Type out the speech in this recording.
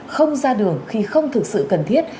không ra đường khi không thực sự cần thiết